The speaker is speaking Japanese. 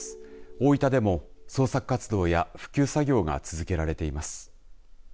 大分でも捜索活動や復旧作業が続けられています。